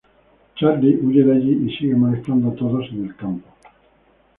Charlie huye de allí y sigue molestando a todos en el campo.